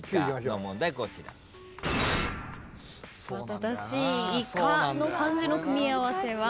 正しい「いか」の漢字の組み合わせは。